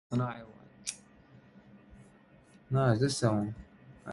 Alice comes along seeking entry.